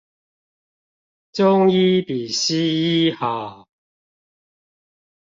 中醫比西醫好